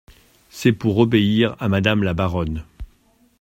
C’est pour obéir à madame la baronne.